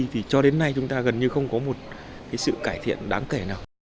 thì cho đến nay chúng ta gần như không có một cái sự cải thiện đáng kể nào